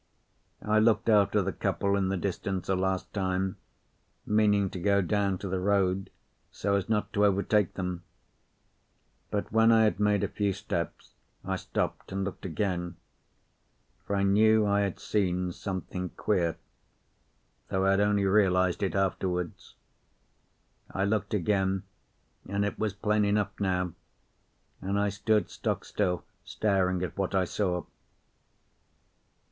I looked after the couple in the distance a last time, meaning to go down to the road, so as not to overtake them; but when I had made a few steps I stopped and looked again, for I knew I had seen something queer, though I had only realised it afterwards. I looked again, and it was plain enough now; and I stood stock still, staring at what I saw.